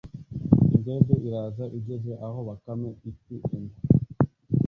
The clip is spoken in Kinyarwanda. Imbwebwe iraza igeze aho Bakame iti Enda